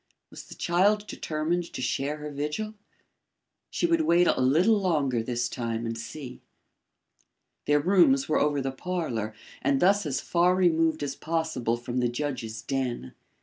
Was the child determined to share her vigil? She would wait a little longer this time and see. Their rooms were over the parlour and thus as far removed as possible from the judge's den.